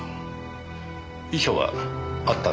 遺書はあったのですか？